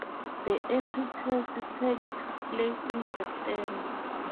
The entry test takes place in September.